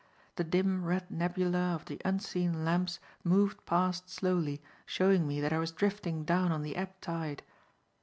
The dim, red nebula of the unseen lamps moved past slowly, showing me that I was drifting down on the ebb tide.